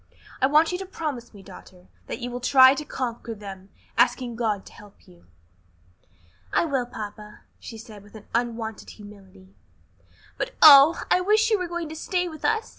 I want you to promise me, daughter, that you will try to conquer them, asking God to help you." "I will, papa," she said, with unwonted humility; "but, oh, I wish you were going to stay with us!